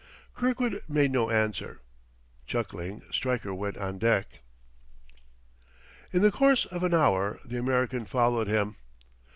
Kirkwood made no answer. Chuckling, Stryker went on deck. In the course of an hour the American followed him.